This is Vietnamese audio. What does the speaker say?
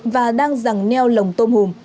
và đang rằng neo lồng tôm hùm